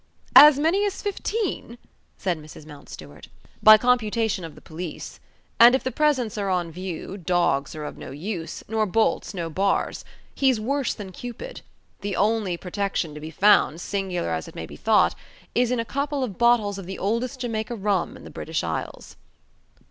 "As many as fifteen?" said Mrs. Mountstuart. "By computation of the police. And if the presents are on view, dogs are of no use, nor bolts, nor bars: he's worse than Cupid. The only protection to be found, singular as it may be thought, is in a couple of bottles of the oldest Jamaica rum in the British isles."